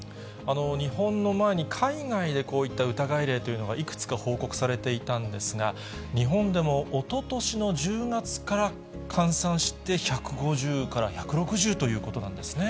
日本の前に、海外でこういった疑い例というのが、いくつか報告されていたんですが、日本でもおととしの１０月から換算して１５０から１６０ということなんですね。